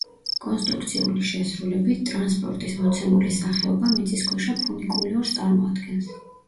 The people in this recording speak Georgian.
კონსტრუქციული შესრულებით ტრანსპორტის მოცემული სახეობა მიწისქვეშა ფუნიკულიორს წარმოადგენს.